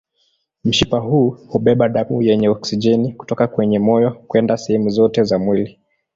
Mshipa huu hubeba damu yenye oksijeni kutoka kwenye moyo kwenda sehemu zote za mwili.